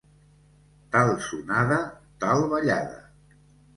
Tal sonada, tal ballada.